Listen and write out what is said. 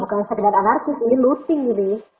oh bukan sekedar anarkis ini looting gitu